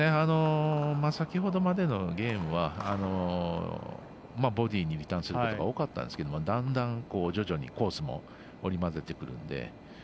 先ほどまでのゲームはボディーにリターンすることが多かったんですけどだんだん徐々にコースも織り交ぜてくるので。